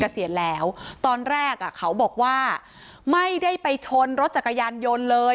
เกษียณแล้วตอนแรกอ่ะเขาบอกว่าไม่ได้ไปชนรถจักรยานยนต์เลย